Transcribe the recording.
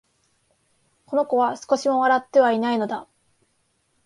この子は、少しも笑ってはいないのだ